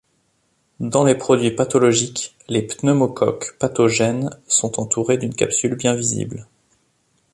Dans les produits pathologiques, les pneumocoques pathogènes sont entourés d'une capsule bien visible.